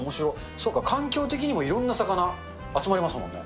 そっか、環境的にもいろんな魚、集まりますもんね。